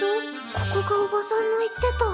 ここがおばさんの言ってた。